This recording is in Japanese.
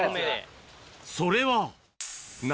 それは。